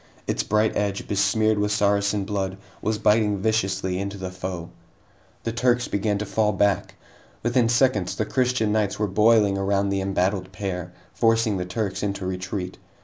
Its bright edge, besmeared with Saracen blood, was biting viciously into the foe. The Turks began to fall back. Within seconds, the Christian knights were boiling around the embattled pair, forcing the Turks into retreat.